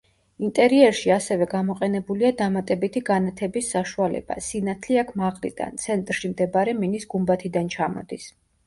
ინტერიერში ასევე გამოყენებულია დამატებითი განათების საშუალება: სინათლე აქ მაღლიდან, ცენტრში მდებარე მინის გუმბათიდან ჩამოდის.